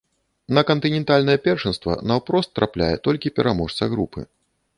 На кантынентальнае першынства наўпрост трапляе толькі пераможца групы.